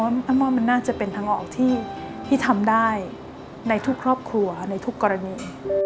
อ้ำว่ามันน่าจะเป็นทางออกที่ทำได้ในทุกครอบครัวในทุกกรณี